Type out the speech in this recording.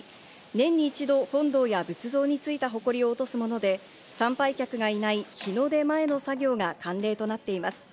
年に一度、本堂や仏像についたほこりを落とすもので、参拝客がいない日の出前の作業が慣例となっています。